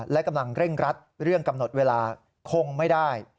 และกำลังเร่งรัดเรื่องกำหนดเวลาคงไม่ได้